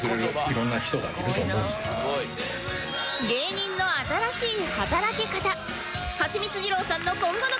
芸人の新しい働き方